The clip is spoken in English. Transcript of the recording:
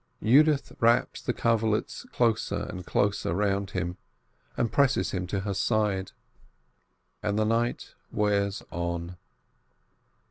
Yudith wraps the coverlets closer and closer round him, and presses him to her side. And the night wears on.